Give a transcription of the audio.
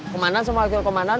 kemanan semua hasil kemanan